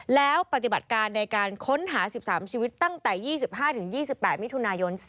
แล้วปฏิบัติการในการค้นหา๑๓ชีวิตตั้งแต่๒๕๒๘มิถุนายน